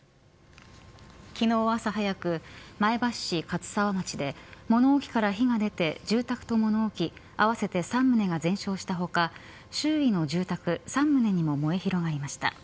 昨日、朝早く前橋市勝沢町で物置から火が出て住宅と物置、合わせて３棟が全焼した他周囲の住宅３棟にも燃え広がりました。